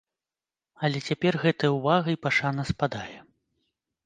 Але цяпер гэтая ўвага і пашана спадае.